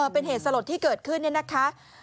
เป็นเหตุสลดที่เกิดขึ้นเนี่ยนะคะ